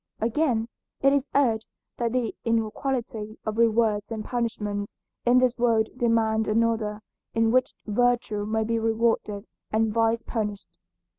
Again, it is urged that the inequality of rewards and punishments in this world demand another in which virtue may be rewarded and vice punished.